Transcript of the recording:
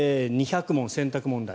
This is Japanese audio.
２００問選択問題。